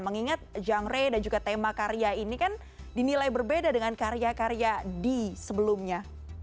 mengingat genre dan juga tema karya ini kan dinilai berbeda dengan karya karya di sebelumnya